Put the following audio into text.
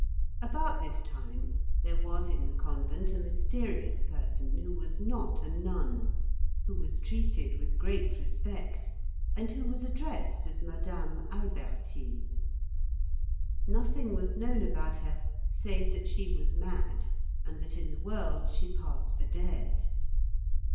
About this time there was in the convent a mysterious person who was not a nun, who was treated with great respect, and who was addressed as Madame Albertine. Nothing was known about her, save that she was mad, and that in the world she passed for dead.